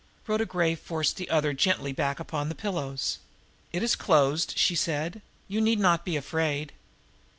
Rhoda Gray forced the other gently back upon the pillows. "It is closed," she said. "You need not be afraid."